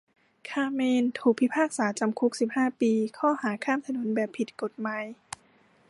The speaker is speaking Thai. คาร์เมนถูกพิพากษาจำคุกสิบห้าปีข้อหาข้ามถนนแบบผิดกฎหมาย